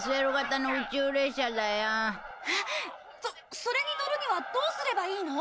それに乗るにはどうすればいいの？